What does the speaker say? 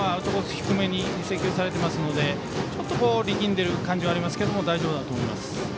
低めに制球されてますのでちょっと力んでいる感じはありますけど大丈夫だと思います。